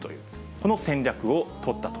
この戦略を取ったと。